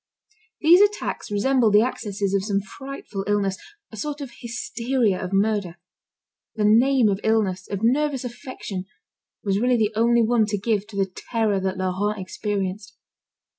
These attacks resembled the accesses of some frightful illness, a sort of hysteria of murder. The name of illness, of nervous affection, was really the only one to give to the terror that Laurent experienced.